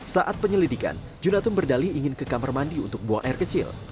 saat penyelidikan junatun berdali ingin ke kamar mandi untuk buang air kecil